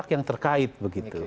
pihak yang terkait begitu